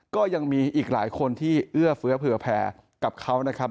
ก็ยังมีอีกหลายคนที่เอื้อเฟื้อเผื่อแผ่กับเขานะครับ